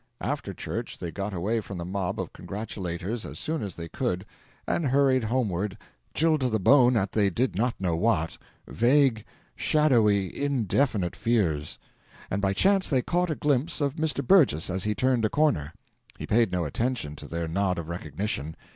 After church they got away from the mob of congratulators as soon as they could, and hurried homeward, chilled to the bone at they did not know what vague, shadowy, indefinite fears. And by chance they caught a glimpse of Mr. Burgess as he turned a corner. He paid no attention to their nod of recognition!